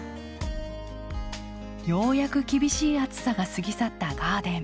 ようやく厳しい暑さが過ぎ去ったガーデン。